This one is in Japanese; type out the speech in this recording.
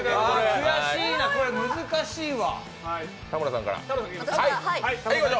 悔しいな、これ難しいわ。